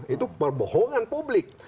itu perbohongan publik